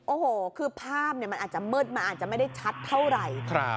โอ้โหคือภาพเนี้ยมันอาจจะมืดมาอาจจะไม่ได้ชัดเท่าไรครับ